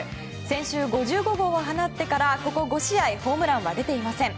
先週、５５号を放ってからここ５試合ホームランは出ていません。